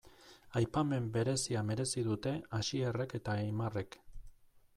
Aipamen berezia merezi dute Asierrek eta Aimarrek.